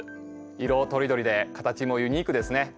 色とりどりで形もユニークですね。